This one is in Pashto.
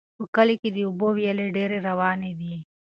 په کلي کې د اوبو ویالې ډېرې روانې دي.